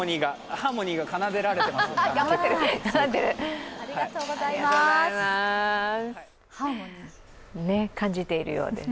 ハーモニー感じているようです。